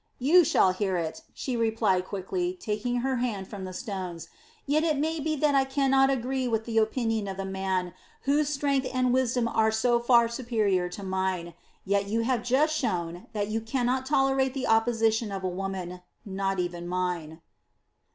"You shall hear it," she replied quickly, taking her hand from the stones. "Yet it may be that I cannot agree with the opinion of the man whose strength and wisdom are so far superior to mine, yet you have just shown that you cannot tolerate the opposition of a woman, not even mine."